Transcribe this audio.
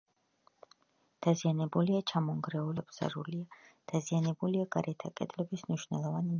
დაზიანებულია: ჩამონგრეულია სახურავი, კედლები დაბზარულია, დაზიანებულია გარეთა კედლების მნიშვნელოვანი ნაწილი.